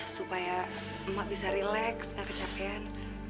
supaya ma bisa relax ga kecapean